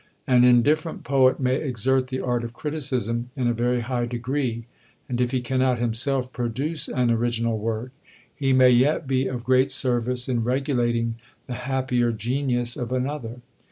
An indifferent poet may exert the art of criticism in a very high degree; and if he cannot himself produce an original work, he may yet be of great service in regulating the happier genius of another.